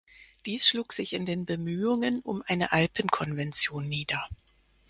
Dies schlug sich in den Bemühungen um eine Alpenkonvention nieder.